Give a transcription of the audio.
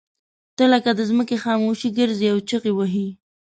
ته لکه د ځمکې خاموشي ګرځې او چغې وهې.